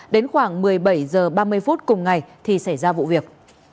đến khoảng một mươi bảy h ba mươi phút cùng ngày thì xảy ra vụ việc